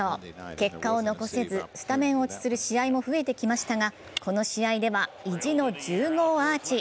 結果を残せず、スタメン落ちする試合も増えてきましたが、この試合では意地の１０号アーチ。